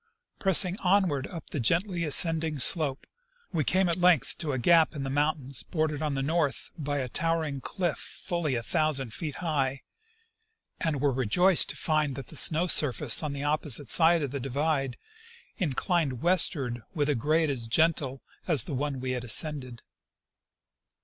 Pressing onward up the gently ascending slope, we came at length to a gap in the mountains bordered on the north by a towering cliff fully a thousand feet high, and were rejoiced to find that the snow surface on the opposite side of the divide inclined westward with a grade as gentle as the one we had ascended.